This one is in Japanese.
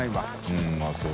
うんうまそう。